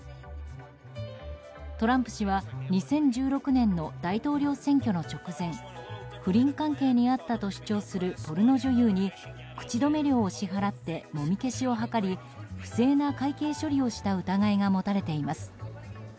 トランプ氏は２０１６年の大統領選挙の直前不倫関係にあったと主張するポルノ女優に口止め料を支払ってもみ消しを図り不正な会計処理をした疑いが持たれています。